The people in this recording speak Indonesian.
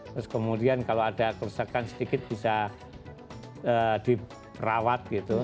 terus kemudian kalau ada kerusakan sedikit bisa dirawat gitu